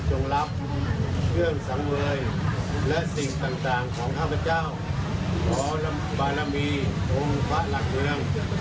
รับเครื่องสังเวยและสิ่งต่างของข้าพเจ้าขอบารมีองค์พระหลักเมือง